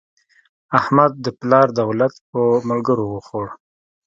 احمد د پلار دولت په ملګرو وخوړ.